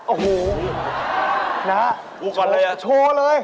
โอ้โฮ